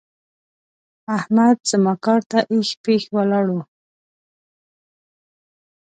احمد زما کار ته اېښ پېښ ولاړ وو.